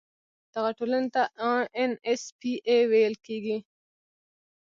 دغه ټولنې ته ان ایس پي اي ویل کیږي.